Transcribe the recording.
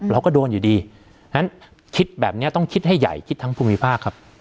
เราก็โดนอยู่ดีฉะนั้นคิดแบบนี้ต้องคิดให้ใหญ่คิดทั้งภูมิภาคครับ